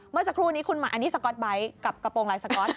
เมื่อสักครู่นี้คุณมาอันนี้สก๊อตไบท์กับกระโปรงลายสก๊อต